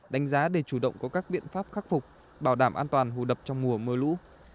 đánh giá để chủ động có các biện pháp khắc phục bảo đảm an toàn hồ đập trong mùa mưa lũ